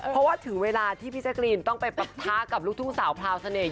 เพราะว่าถึงเวลาที่พี่แจ๊กรีนต้องไปปะทะกับลูกทุ่งสาวพราวเสน่ห